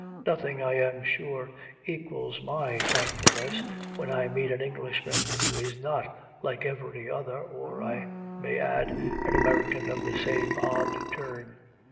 Nothing, I am sure, equals my thankfulness when I meet an Englishman who is not like every other, or, I may add, an American of the same odd turn.